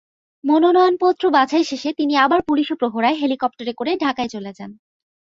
মনোনয়নপত্র বাছাই শেষে তিনি আবার পুলিশি প্রহরায় হেলিকপ্টারে করে ঢাকায় চলে যান।